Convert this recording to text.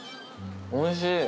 おいしい。